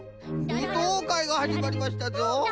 ぶとうかいがはじまりましたぞ。